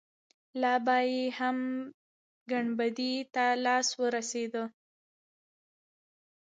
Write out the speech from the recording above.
لا به يې هم ګنبدې ته لاس نه وررسېده.